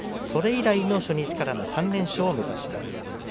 それ以来の初日からの３連勝を目指します。